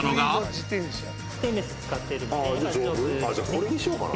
これにしようかな。